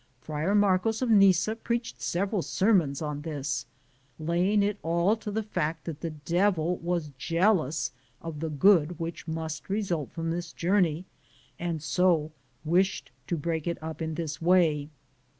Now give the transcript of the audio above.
Friar Marcos of Nice preached several sermons on this, laying it all to the fact that the devil was jealous of the good which must result from this jour ney and so wished to break it up in this way.